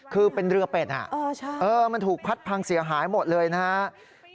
คือเป็นเรือเป็ดมันถูกพัดพังเสียหายหมดเลยนะครับ